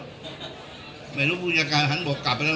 หมายถึงกุมศักยาหันบกกลับไปแล้ว